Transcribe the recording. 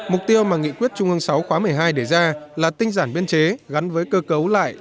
mục tiêu mà nghị quyết trung ương sáu khóa một mươi hai đề ra là tinh giản biên chế gắn với cơ cấu lại